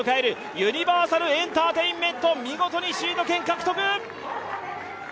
ユニバーサルエンターテインメント、見事にシード権獲得。